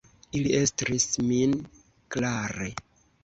Ili estris min klare.